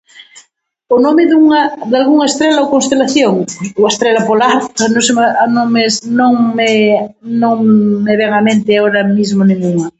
O nome dunha, dalgunha estrela ou constelación, a estrela polar. Non se me, non me, non me, no me vén a mente ahora mismo ningunha.